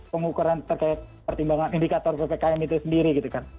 pengukuran terkait pertimbangan indikator ppkm itu sendiri gitu kan